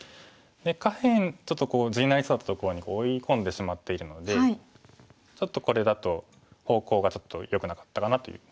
で下辺ちょっと地になりそうだったところに追い込んでしまっているのでこれだと方向がちょっとよくなかったかなという。